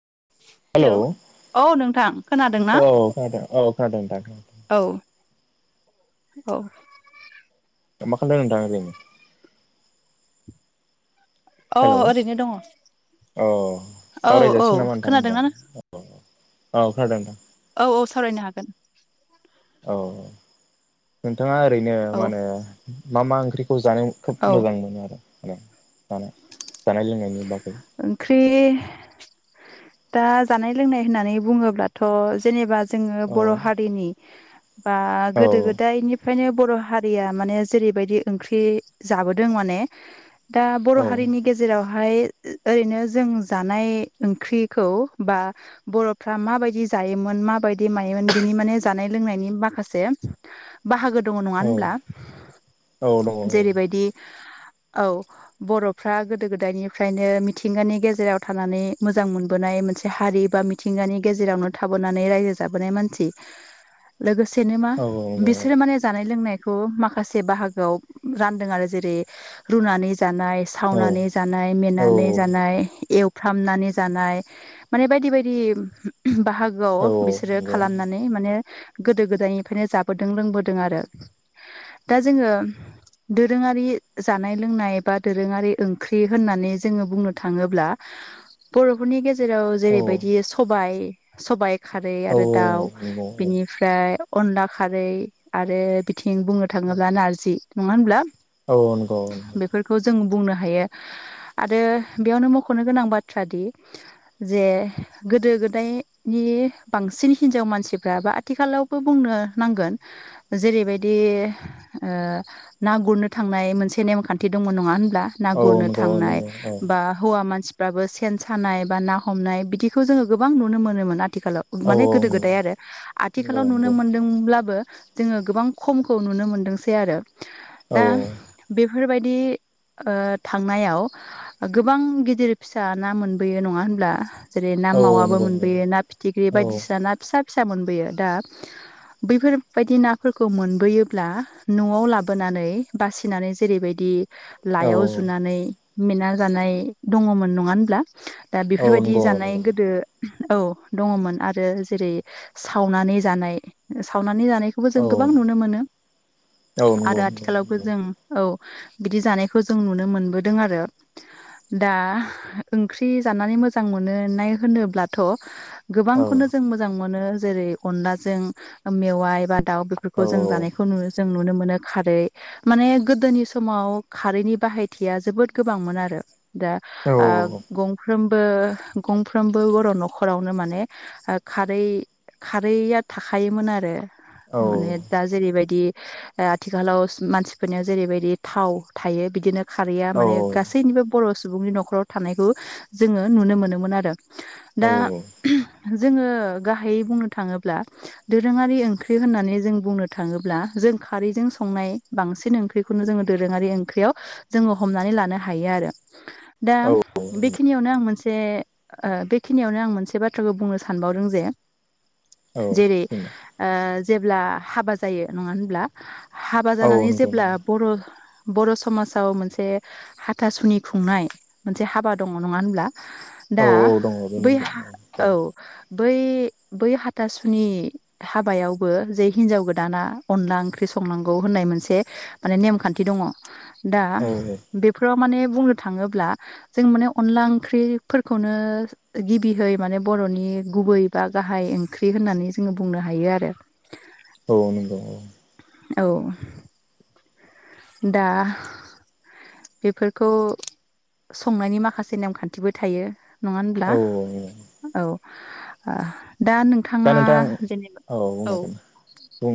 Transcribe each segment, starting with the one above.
[inaudible] Hello औ औ नोंथां खोनादों ना खोनादों औ खोनादों नोंथां। औ औ। मा खालामदों नोंथां ओरैनो। अ हेलौ ओरैनो दङ अ औ औ सावरायजासिग नामा नोंथां होमबा। खोनादोंना नों? औ खोनादों नोंथां। औ औ सावरायनो हागोन। औ नोंथाङा ओरैनो औ माहोनो मा मा ओंख्रि। खौ जानायाव औ खोब मोजां मोनो आरो मे जानाय जानाय लोंनायनि ब। ओंख्रि। दा जानाय लोंनाय होननानै बुङोब्लाथ' जेनेबा। जोङो औ बर' हारिनि बा औ गोदो गोदायनिफ्राय। फ्रायनो बर' हारिया माने जेरैबायदि ओंख्रि जाबोदों माने। दा बर' औ हारिनि गेजेरावहाय। ओरैनो जों जानाय ओंख्रिखौ बा बर'फ्रा माबायदि जायोमोन मा। बायदि मायोमोन बिनि माने जानाय लोंनानि माखासे बाहागो। दङ नङा औ होनब्ला औ दङ जेरैबायदि। औ बर'फ्रा गोदो गोदायनिफ्रायनो। थिंगानि गेजेराव थानानै मोजां मोनबोनाय मोनसे हारि बा मिथिंगानि गेजेरावनो थाबोनानै रायजो। जाबोनाय मानसि लोगोसेनो मा औ नंगौ बिसोरो माने जानाय लोंनाय। खौ माखासे बाहागोआव रानदों आरो जेरै रुनानै। जानाय औ सावनानै जानाय औ मेंनानै जानाय एव। थामनानै जानाय माने बायदि बायदि। बाहागोआव बिसोरो नंगौ खालामनानै माने। गोदो गोदायनिफ्रायनो जाबोदों लोंबोदों आरो दा, जोङो दोरोङारि जानाय लोंनाय बा दोरोङारि ओंख्रि होननानै जोङो बुंनो थाङोब्ला बर'फोरनि गेजेराव औ जेरैबायदि स [unintelligible] सबायाइ खारै औ आरो दाउ नंगौ औ बिनिफ्राय अनला खारै आरो थं [unintelligible] बुंनो थाङोब्ला नारजि नङा होनब्ला औ नंगौ औ नंगौ बेफोरखौ जों बुंनो ह हायो, आरो बेयावनो मख'नो गोनां बाथ्रा दि जे गोदो गोदायनि बांसिन बांसिन हिनजाव मानसिफ्राबो आथिखालावबो बुंनो नांगोन जेरैबायदि ना गुरनो थांनाय मोनसे नेमखान्थि दङ नङा होनब्ला ना औ नंगौ गुरनो औ नंगौ थांनाय। औ बा हौवा मानसिफ्राबो सेन सानाय बा ना हमनाय बिदिखौ जोङो गोबां नुनो मोनोमोन आरो आथिखालाव माने औ गोदो नंगौ गोदाय आरो नंगौ आथिखालाव नुनो नंगौ मोनदोंब्लाबो जोङो गोबां खमखौ नुनो मोनदोंसै आरो औ दा बे बेफोरबायदि थांनायाव गोबां गिदिर फिसा ना मोनबोयो नङा होनब्ला? जेरै ना औ मावाबो नंगौ नंगौ मोनबोयो ना फिथिख्रि औ बायदिसिना ना फिसा फिसा मोनबोयो दा बैफोरबायदि नाफोरखौ मोनबोयोब्ला न'आव लाबोनानै बासिनानै जेरैबायदि औ लायाव जुनानै मेना जानाय दङमोन नङा होनब्ला? दा औ बेफोरबायदि नंगौ जानाय नंगौ गोदो औ दङमोन आरो जेरै सावनानै जानाय स स [unintelligible] नानै जानायखौबो जों औ गोबां नुनो मोनो, औ नंगौ आरो नंगौ आथिखालावबो जों औ बिदि जानायखौ जों नुनो मोनबोदों आरो। दा ओंख्रि जानानै मोजां मोनाय होनोब्लाथ' औ गोबांखौनो जों मोजां मोनो जेरै अनलाजों मे [unintelligible] वायब दाउ औ बेफोरखौ जों जानायखौ नुो जोंु [unintelligible] नुनो मोनो खारै माने गोदोनि समाव खारैनि बाहायथिया जोबोद गोबांमोन आरो। दा औ नंगौ ग [inaudible] गंफ्रोमबो बर' न'खरावनो माने खारै खारैया थाखायोमोन आरो, माने दा जेरैबायदि आथिखालाव मानसिफोरनियाव जेरैबायदि थाव थायो बिदिनो खारैया माने गै बर' सुबुंनि न'खराव थानायखौ जोङो नुनो मोनोमोन आरो दा। जोङो गाहायै बुंनो थाङोब्ला दोरोङारि ओंख्रि होननानै जों बुंनो थाङोब्ला ज जों खारैजों संनाय बांसिन ओंख्रिखौनो जोो [unintelligible] दोरोङारि ओंख्रियाव जोङो हमनानै लानो ह बेखनियावनो मोन जे बेखिनियावनो आं मोनसे बाथ्राखौ बुंनो सानबावदों जे जेरै जेब्ला हाबा जायो नङा होनब्ला? हाबा जानानै नंगौ जेब्ला बर' बर' समाजाव मोनसे ह खथासुनि खुंनाय मोनसे हाबा दङ नङा होनब्ला? औ दा दङ बैहा बेनो दं औ बै बै हाथासुनि हाबायावबो जे हिनजाव गोदाना अनला ओंख्रि संनांगौ होननाय मोनसे मान नेमखान्थि दङ दा औ बेफोराव बुंनो थाङोब [unintelligible] ज म अ ओं ग म बर'नि गुबै बा गाहाय ओंख्रि होननानै जोङो बुंनो हायो आरो। औ नंगौ औ दा बेफोरखौ संनायनि माखासे नेमखान्थिबो थायो। नङा होनब्ला औ औ ओ दा दा नोंथाङा नोंथां जेनेबा बुंनो हागोन औ बुंनो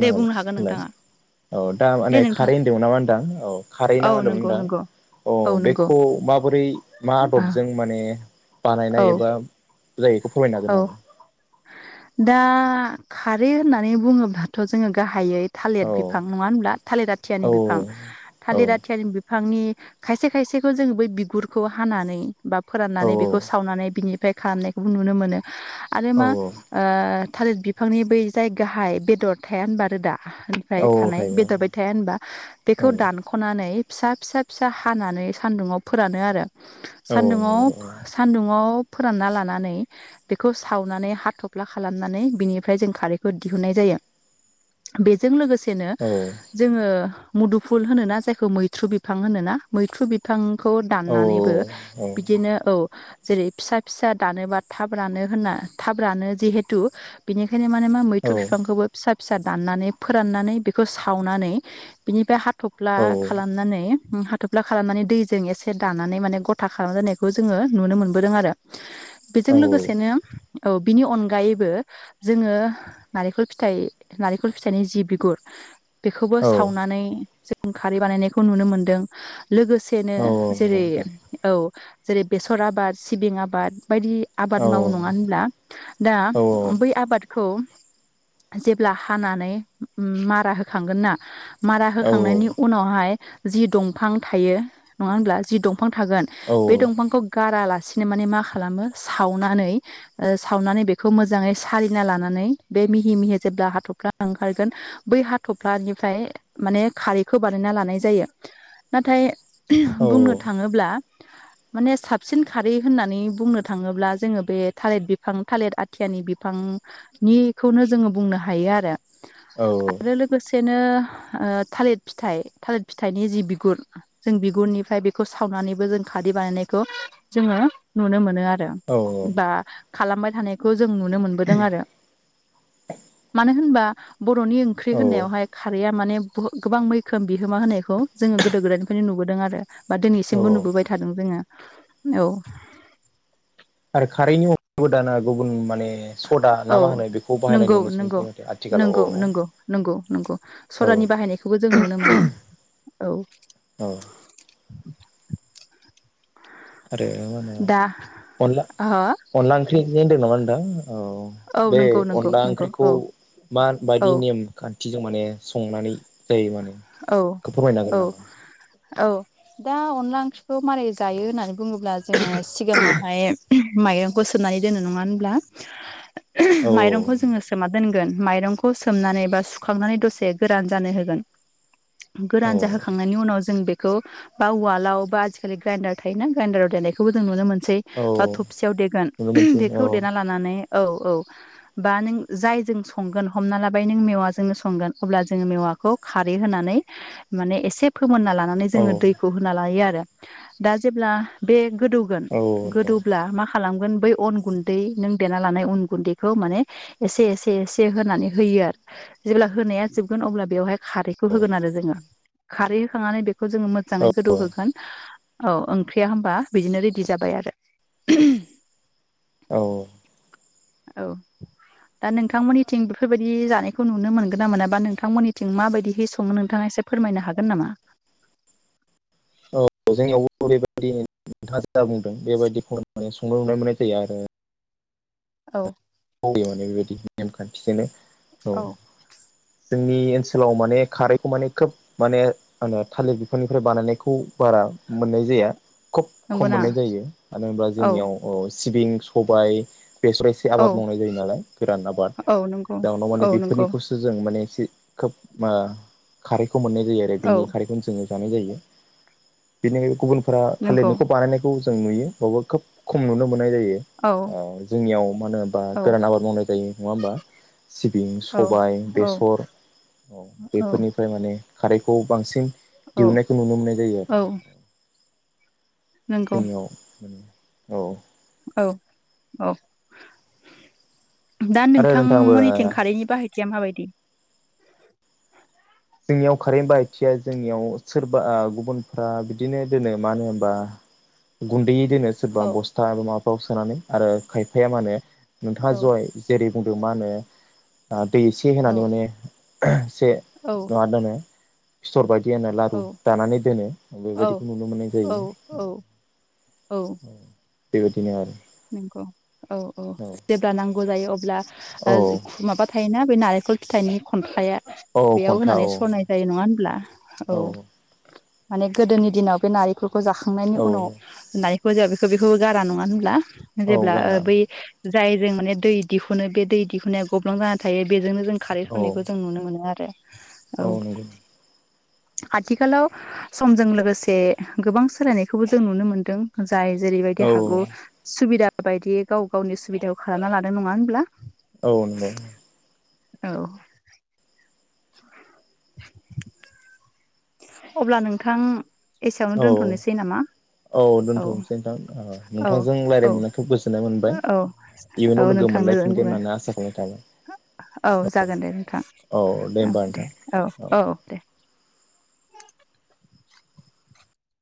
दे बुंनो हागोन नोंथाङा औ दा दे माने नोंथां खारै होनदोंमोन नामा होनोंथां औ खारै औ नाामा होनदोंमोन नंगौ नोंथां नंगौ औ अ नंगौ बेखौ माबोरै मा आदबजों माने बानायनाय औ एबा जाय बेखौ फोरमायनो हागोन औ नामा? दा खारै होननानै बुङोब्लाथ' जोंङो गाहायै औ थालिर बिफां नङा होनब्ला थालिर औ आथियानि बिफां औ थालिर आथियानि बिफांनि खायसे खायसेखौ जोंङो बै बिगुरखौ हानानै बा औ फोराननानै बेखौ सावनानै बिनि बेफ्राय खालामनायखौबो नुनो मोनो आरो औ मा ओ थालिर बिफांनि बै जाय गाहाय बेदर थाया होनबारो दा औ फ्राय थानाय थायो बेदरबाय थाया होनबा औ बेखौ दानख'नानै फिसा फिसा फिसा सा हानानै सान्दुङाव फोरानो आरो औ सान्दुङाव नंगौ सान्दुङाव फोरानना लानानै बेखौ सावनानै हा थफ्ला खालामनानै बिनिफ्राय जों खारैखौ दिहुननाय जायो बेजों लोगोसे नो औ जोंङो मुदुफुल होनोना जायखौ मैथ्रु बिफां होनोना मैथ्रु बिफां खौ औ दाननानैबो बिदिनो औ जेरै फिसा फिसा दानोबा थाब रानो होनना थाब रानो जिहेतु बिनि बेखाय मा मैथु बिफांखौबो फिसा फिसा दाननानै फोराननानै बेखौ सावनानै बिनिफ्राय हाथ'फ्ला खालामनानै थोब्ला खालामनानै दैजों एसे दानानै माने गथा खालामजानायखौ जोंङो नुनो मोनबोदों आरो औ बेजों लोगोसेनो औ बिनि अनगायैबो जोंङो नारेंखल फिथ नारेंखल फिथाइनि जि बिगुर [inaudible] बेखौबो सावनानै जों खारै बानायनायखौ नुनो मोन्दों लोगोसेनो नंगौ जेरै नोंथां औ जेरै बेसर आबाद सिबिं आबाद बायदि आबाद औ मावो नङा होनब्ला दा औ बै आबादखौ जेब्ला हानानै मारा होखांगोन ना मारा औ होखांनायनि उनावहाय जि दंफां थायो नङा होनब्ला जि दंफां दफां थागोन बे दंफांखौ गाराला बिनो मान मा खालामो सावनानै सावनानै बेखौ मोजाङै सारिलिना लानानै बे मिह मिह जेब्ला हाथफ्ला ओंखारगोन बै हाथफ्लानिफ्राय माने खारखौ बानायना ला नाय जायो। नाथाय बुंनो थाङोब्ला [inaudible] माने साबसिन खारै होननानै बुंनो थाङोब्ला जोङो बे थालिर बिफां थालिर आथियानि बिफां निखौनो जोंङो बुंनो हायो आरो। आरो लोगोसेनो ओ थालिर फिथाइ थालिर फिथाइनि जि बि बिगुर जों बिगुरनिफ्राय बेखौ सावनानैबो जों खादै बानायनायखौ जोङो नुनो मोनो आरो बा खालामबाय थानायखौ जों नुनो मोनबोदों आरो। मानो होनबा बर'नि ओंख्रि होननायावहाय खारैया माने बहु गोबां मैखोम बिहोमा होनायखौ जोङो गोदो गोदायनिफ्रायनो नुबोदों आरो। बा दिनैसिमबो नुबोबाय थादों जोंङो। औ आरो खारैनि अनगबो दाना गुबुन माने सदा ना औ मा होनो बेखौ बाहायनाय नंगौ नुनोसै नंगौ माथो आथिखालाव नंगौ औ नंगौ नंगौ नंगौ स औ नि बायनायखौबो जों नुनो मोनो औ औ आरो मा होनो दा अनला ओ अनला ओंख्रि होनदों नामा होनदां औ बे नंगौ नंगौ अनला नंगौ ओंख्रिखौ औ औ माबायदि नेम खान्थिजों माने संनानै [unintelligible] औ बेखौ औ फोरमायनांगोन नामा औ दा अनला ओंख्रिखौ मारोरै जायो होननानै बुङोब्ला जोंङो सिगाङावहाय माइरंखौ सोमनानै दोनो नङा होनब्ला औ माइरंखौ जोङो सोमना दोनगोन। माइरंखौ सोमनानै बा सुखांनानै दसे गोरान जानो होगोन। औ गोरान जाहोखांनायनि उनाव जों बे खौ बा उवालाव बा आजिखालि ग्राइडार थायोना ग्राइडाराव देनायखौ जों नुनो मो सै औ बा थबसियाव देगोन नुनो मोनसै औ बेखौ देना लानानै औ औ बा नों जाय जों संगोन हमना लाबाय नों मेवाजोंनो संगोन अब्ला जोङो मेवा माखौ खारै होनानै माने एसे फोमोनना लानानै औ जोङो दैखौ होना लायो आरो। दा जेब्ला बे गोदौगोन औ गोदौब्ला माखा खालामगोन बै अन गुन्दै नों देना लानाय अन गुन्दैखौ माने एसे एसे एसे होनानै होयो। जेब्ला होनाया जोबगोन अब्ला बेवहाय खारै खौ होगोन आरो जोङो खारै होखांनानै बेखौ जोङो मोजाङै गोदौ औ होगोन। औ ओंख्रिया होनबा बिदिनो रेडि जाबाय आरो। औ। औ। दा नोंथांमोननिथिं बेफोरबायदि जानायखौ नुनो मोनगोन ना मोनाबा नोंथांमोननिथिं माबायदिहै सङो नोंथाङा एसे फोरमायनो हागोन नामा। [inaudible] औ जोंनियावबो बेबायदि नोंथाङा बुंदों बेबायदि मेने संनो रुनाय मोननाय जायो आरो औ। बेबायदि नेमखान्थिजोंनो औ जोंनि ओनसोलाव माने खारै खौ माने खोब माने ओ थालिर बिफांनिफ्राय बानायनायखौ बारा मोननाय जाया। खोब खम नंगौना मोननाय जायो मानो होनब्ला औ जोंनियाव अ सिबिं सबाय बेसर एसे औ आबाद मावनाय जायो नालाय गोरान आबाद औ नंगौ जाउनाव माने औ नंगौ बेफोरनिखौसो जों माने खोब ओ खारैखौ मोननाय जायो आरो औ बेनि खारैखौनो जोङो जानाय जायो बेनिखाय गुबुनफोरा नंगौ थालिरनिखौ बानायनायखौ जों नुयो बेयावबो खोब खम नुनो मोननाय जायो औ ओ जोंनियाव मा होनो औ गोरान आबाद मावनाय जायो नङा होमबा सिबिं सबाय औ बेसर औ बेफोरनिफ्राय माने खारैखौ बांसिन औ दिहुननायखौ नुनो मोननाय जायो आरो। औ नंगौ जोंनियाव औ औ औ दा आरो नोंथांबो नोंथांमोननिथिं खारैनि बाहाय थिया मा बायदि। जोंनियाव खारैनि बाहायथिया जोंनियाव सोरबा गुबुनफ्रा बिदिनो दोनो मानो होनबा गुन्दैयै दोनो सोरबा औ बस्था माबाफ्राव सोनानै आरो खायफाया मा होनो नोंथाङा औ जय जेरै बुंदों मा होनो दै एसे औ होनानै माने से औ मा दोनो फिथर बायदि [unintelligible] लारु औ दानानै दोनो औ बेबायदिखौ नुनो मोननाय औ जायो। औ बेबायदिनो आरो। नोंगौ औ औ जेब्ला नांगौ जायो अब्ला औ [unintelligible] माबा थायो थायोना बे नारेंखल फिथाइनि खन्थ्राया औ बेयाव कन्ट्रा होनानै औ सरनाय जायो नङा होनब्ला औ। माने गोदोनि दिनाव बे नारेंखलखौ जाखांनायनि औ उनाव न जाया बेखौ बेखौ गारा नङा होनब्ला औ जेब्ला गाहाम बै जाय जों माने दै दिहुनो बे दै दिहुनाया गब्लां जान थायो बेजोंनो जों खारै औ सनायखौ जों नुनो मोनो आरो। औ नंगौ। आथिखालाव समजों लोगोसे गोबां सोलायनायखौबो जों नुनो मोनदों। जाय औ जेरैबायदि हागौ सुबिदा बायदि गाव गावनि सुबिदाखौ खालामना लादों नङा होमब्ला। औ नंगौ। औ। अब्ला नोंथां एसेयावनो औ दोनथ'नोसै नामा औ दोनथ'नोसै नोंथां औ नोंथांजों औ रायज्लायनानै खोब गोजोननाय मोनबाय औ औ इयुनाव लोगो मोन नोंथांनो मोनलायफिनगोन होन्नानै आसा खालामनाय थाबाय औ जागोन दे नोंथां औ दे औ औ दे